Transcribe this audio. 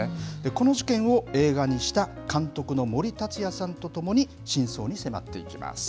この事件を映画にした監督の森達也さんと共に、深層に迫っていきます。